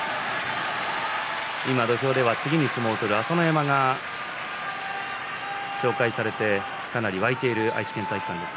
土俵では次の相撲を取る朝乃山が紹介されてかなり沸いている愛知県体育館です。